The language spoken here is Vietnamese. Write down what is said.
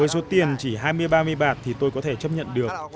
với số tiền chỉ hai mươi ba mươi bạt thì tôi có thể chấp nhận được